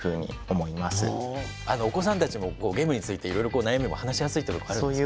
お子さんたちもゲームについていろいろ悩みも話しやすいとかもあるんですね。